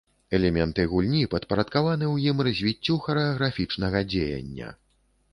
Элементы гульні падпарадкаваны ў ім развіццю харэаграфічнага дзеяння.